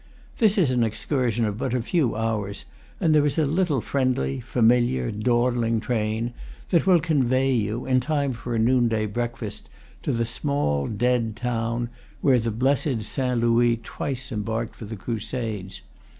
This is an excursion of but a few hours, and there is a little friendly, familiar, dawdling train that will con vey you, in time for a noonday breakfast, to the small dead town where the blessed Saint Louis twice em barked for the crusades.